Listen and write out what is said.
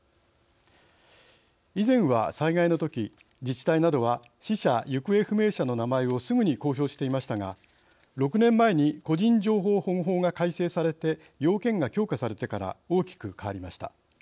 以前は災害のとき自治体などは死者、行方不明者の名前をすぐに公表していましたが６年前に個人情報保護法が改正されて要件が強化されてから大きく変わりました。